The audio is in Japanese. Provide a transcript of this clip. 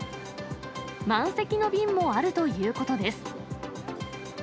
満席の便もあるということです。